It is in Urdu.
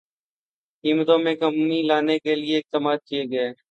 قیمتوں میں کمی لانے کیلئے